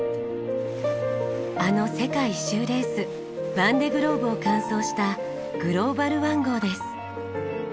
あの世界一周レースヴァンデ・グローブを完走したＧｌｏｂａｌＯｎｅ号です。